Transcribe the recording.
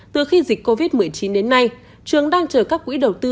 từ khi dịch covid một mươi chín đến nay trường đang chờ các quỹ đầu tư